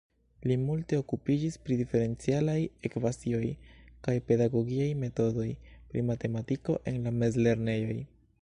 Li multe okupiĝis pri diferencialaj ekvacioj kaj pedagogiaj metodoj pri matematiko en la mezlernejoj.